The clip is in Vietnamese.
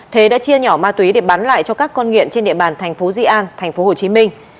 thế đã chia nhỏ ma túy để bán lại cho các con nghiện trên địa bàn thành phố di an thành phố hồ chí minh